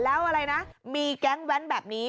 แล้วอะไรนะมีแก๊งแว้นแบบนี้